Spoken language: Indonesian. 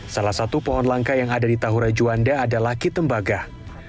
salah satu pohon langka yang ada di tahura juanda adalah kitembagah